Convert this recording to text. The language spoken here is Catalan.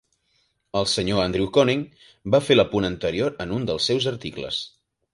El Sr Andrew Koenig va fer l'apunt anterior en un dels seus articles.